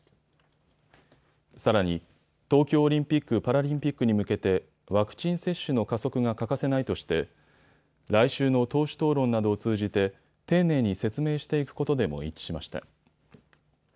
さらに東京オリンピック・パラリンピックに向けてワクチン接種の加速が欠かせないとして来週の党首討論などを通じて丁寧に説明していくことでも一致しました。